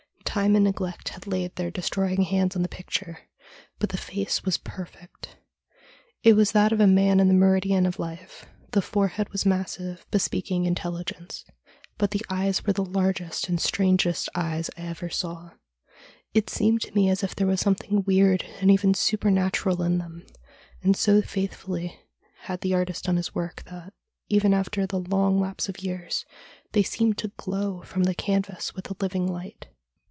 Time and neglect had laid their destroying hands on the picture, but the face was perfect. It was that of a man in the meridian of life ; the forehead was massive, bespeaking intelligence, but the eyes were the largest and strangest eyes I ever saw. It seemed to me as if there was something weird and even supernatural in 222 STORIES WEIRD AND WONDERFUL them, and so faithfully had the artist done his work that, even after the long lapse of years, they seemed to glow from the canvas with a living light.